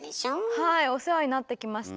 はいお世話になってきました。